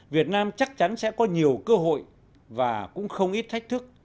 việt nam chắc chắn sẽ có nhiều cơ hội và cũng không ít thách thức